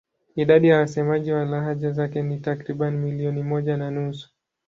Idadi ya wasemaji wa lahaja zake ni takriban milioni moja na nusu.